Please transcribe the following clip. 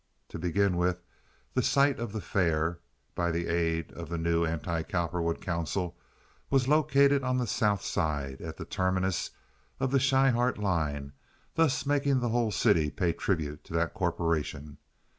To begin with, the site of the fair, by aid of the new anti Cowperwood council, was located on the South Side, at the terminus of the Schryhart line, thus making the whole city pay tribute to that corporation.